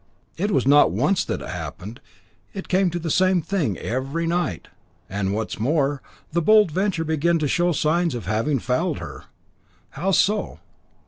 "It was not once that happened. It came to the same thing every night; and what is more, the Bold Venture began to show signs of having fouled her." "How so?"